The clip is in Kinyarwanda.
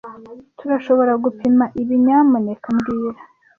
Turashoboragupima ibi, nyamuneka mbwira